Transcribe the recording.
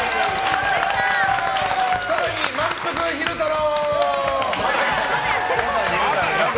更に、まんぷく昼太郎！